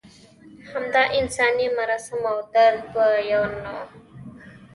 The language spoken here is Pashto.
همدا انساني مراسم او درد به یو نه و.